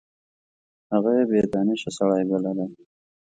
هغه یې بې دانشه سړی بللی.